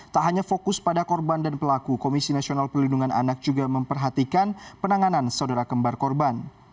tak hanya fokus pada korban dan pelaku komisi nasional perlindungan anak juga memperhatikan penanganan saudara kembar korban